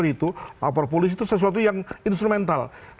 tapi kalau kita menjadikan hal seperti itu lapor polisi itu sesuatu yang instrumental